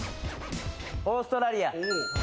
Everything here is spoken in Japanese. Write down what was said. オーストラリア。